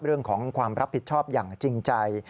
เรื่องของความรับผิดชอบอย่างจริงใจ